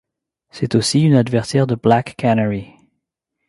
C'est aussi une adversaire de Black Canary.